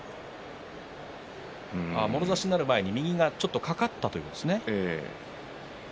もろ差しになる前に右がかかったということですね。